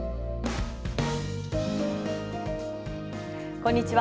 こんにちは。